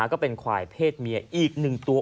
ก็เป็นควายเพศเมียอีก๑ตัว